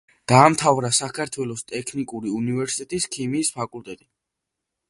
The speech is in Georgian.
დაამთავრა საქართველოს ტექნიკური უნივერსიტეტის ქიმიის ფაკულტეტი.